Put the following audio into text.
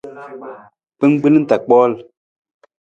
Kpinggbelang ta kpool.